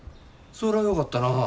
そらよかったな。